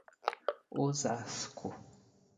Osasco